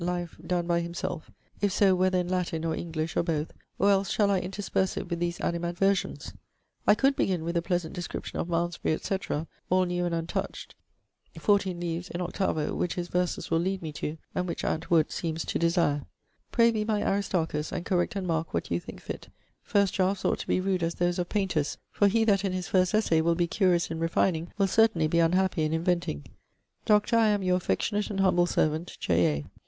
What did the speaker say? life donne by himselfe? (If so, whether in Latin, or English, or both?) Or else, shall I intersperse it with these animadversions? I could begin with a pleasant description of Malmesbury, etc., (all new and untoucht) 14 leaves in 8vo, which his verses will lead me to, and which Ant. Wood seemes to desire. Pray be my Aristarchus, and correct and marke what you thinke fitt. First draughts ought to be rude as those of paynters, for he that in his first essay will be curious in refining will certainly be unhappy in inventing. Doctor, I am your affectionate and humble servant. J. A.